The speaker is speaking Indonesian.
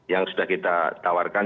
yang sudah kita tawarkan